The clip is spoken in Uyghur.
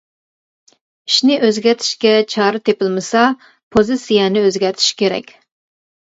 ئىشنى ئۆزگەرتىشكە چارە تېپىلمىسا، پوزىتسىيەنى ئۆزگەرتىش كېرەك.